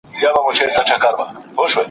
د اسلام دین د زړونو تیاره لیري کوی.